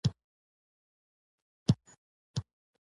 د فندق غوړي د څه لپاره وکاروم؟